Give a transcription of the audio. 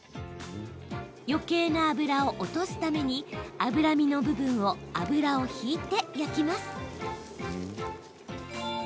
よけいな脂を落とすために脂身の部分を油を引いて焼きます。